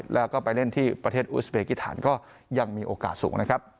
แล้วก็ไปเล่นที่ประเทศอุสเบกิฐานก็ยังมีโอกาสสูงนะครับ